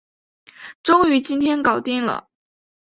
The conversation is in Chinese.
终于今天搞定了